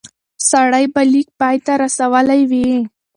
سړی به لیک پای ته رسولی وي.